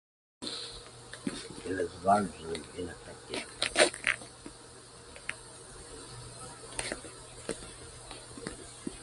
It was largely ineffective.